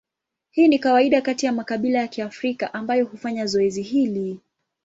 Hii ni kawaida kati ya makabila ya Kiafrika ambayo hufanya zoezi hili.